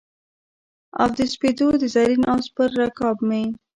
او د سپېدو د زرین آس پر رکاب مې